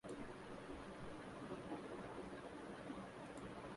پھر سب خطائیں معاف۔